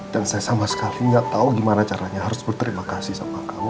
dan saya sama sekali gak tahu gimana caranya harus berterima kasih sama kamu